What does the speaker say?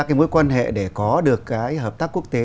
cái mối quan hệ để có được cái hợp tác quốc tế